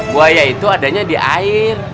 buaya itu adanya di air